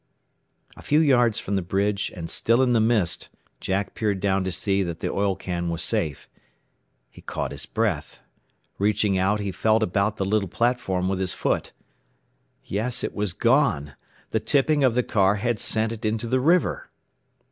A few yards from the bridge, and still in the mist, Jack peered down to see that the oil can was safe. He caught his breath. Reaching out, he felt about the little platform with his foot. Yes; it was gone! The tipping of the car had sent it into the river.